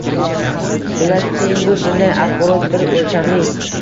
Xullas – qiyin bu – bunday axborot «bir o‘lchamli».